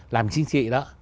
làm chính trị đó